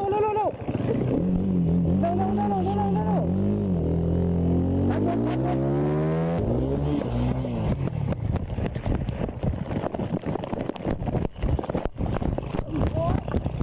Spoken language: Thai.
เดิน